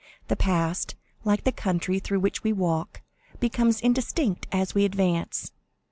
The past, like the country through which we walk, becomes indistinct as we advance.